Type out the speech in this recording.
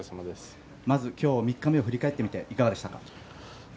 まず今日３日目を振り返ってみていかがですか？